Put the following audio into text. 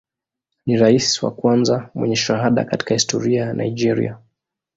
Ni rais wa kwanza mwenye shahada katika historia ya Nigeria.